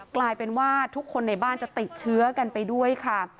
กลายเป็นว่าทุกคนในบ้านจะติดเชื้อกันไปด้วยค่ะ